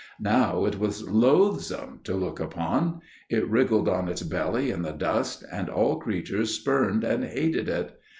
Now it was loathsome to look upon; it wriggled on its belly in the dust, and all creatures spurned and hated it.